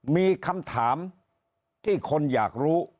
มีคำถามที่คนอยากรู้